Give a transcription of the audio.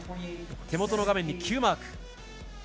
手元の画面にＱマーク。